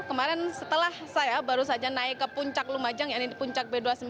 kemarin setelah saya baru saja naik ke puncak lumajang yang di puncak b dua puluh sembilan